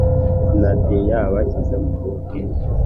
Sinatinya abashyize mu ruge